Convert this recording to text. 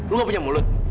kau gak punya mulut